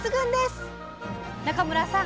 中村さん